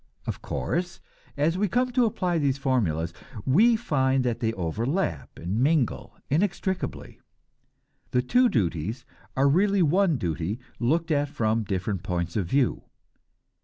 Of course, as we come to apply these formulas, we find that they overlap and mingle inextricably; the two duties are really one duty looked at from different points of view.